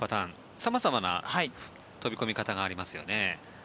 様々な飛び込み方がありますよね。